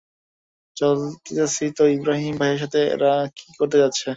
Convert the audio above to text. চলতেছি তো ইব্রাহীম ভাইয়ের সাথে এরা কী করতে যাচ্ছে?